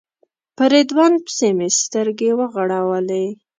په رضوان پسې مې سترګې وغړولې.